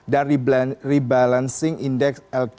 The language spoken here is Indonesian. dan rebalancing indeks lk empat puluh lima